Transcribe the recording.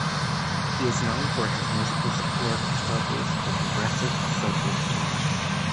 He is known for his musical support of struggles for progressive social change.